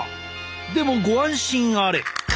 でもご安心あれ！